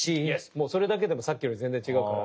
もうそれだけでもさっきより全然違うから。